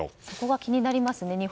そこが気になりますね。